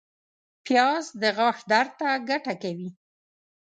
پیاز د غاښ درد ته ګټه کوي